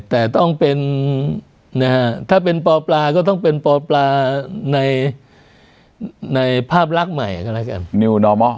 แต่ถ้าเป็นป่าปลาก็ต้องเป็นป่าปลาในภาพลักษณ์ใหม่